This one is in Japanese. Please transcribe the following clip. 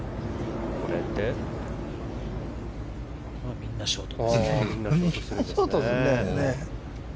みんなショートですね。